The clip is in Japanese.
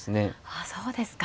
あそうですか。